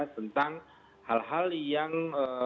tentang hal hal yang